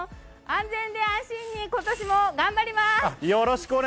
安全で安心に今年も頑張ります。